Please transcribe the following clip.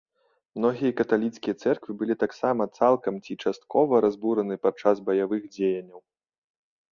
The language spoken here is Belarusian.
Многія каталіцкія цэрквы былі таксама цалкам ці часткова разбураны падчас баявых дзеянняў.